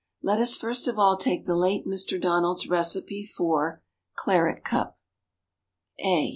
Let us first of all take the late Mr. Donald's recipe for Claret Cup: _A.